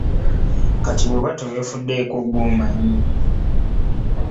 Kati bw'oba teweefuddeeko ggwe omanyi.